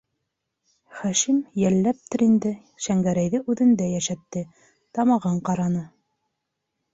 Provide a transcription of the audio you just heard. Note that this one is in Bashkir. Хашим, йәлләптер инде, Шәңгәрәйҙе үҙендә йәшәтте, тамағын ҡараны...